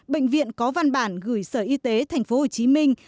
bệnh viện có văn bản gửi sở y tế thành phố hồ chí minh